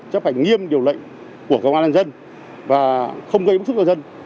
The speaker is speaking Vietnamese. chấp hành nghiêm điều lệnh của công an nhân dân và không gây bức xúc cho dân